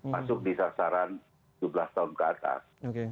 masuk di sasaran tujuh belas tahun ke atas